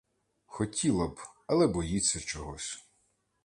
Хотіла б, але боїться чогось.